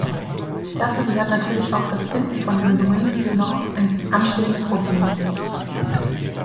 Dazu gehört natürlich auch das Finden von Lösungen für noch anstehende Probleme.